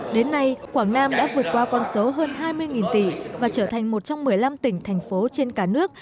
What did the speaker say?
đến nay quảng nam đã vượt qua con số hơn hai mươi tỷ và trở thành một trong một mươi năm tỉnh thành phố trên cả nước